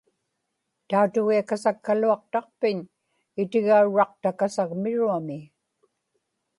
tautugiakasakkaluaqtaqpiñ itigaurraqtakasagmiruami